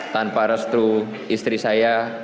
tanpa restu istri saya